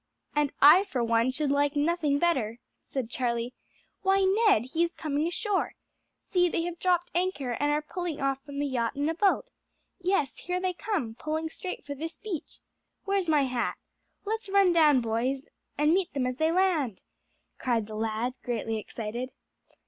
"And I, for one, should like nothing better," said Charlie. "Why, Ned, he is coming ashore! See, they have dropped anchor and are putting off from the yacht in a boat! Yes, here they come, pulling straight for this beach. Where's my hat? Let's run down, boys, and meet them as they land!" cried the lad, greatly excited.